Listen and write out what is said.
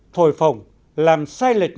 thồi phồng làm sai lệch